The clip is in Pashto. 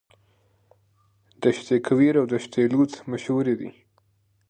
دشت کویر او دشت لوت مشهورې دي.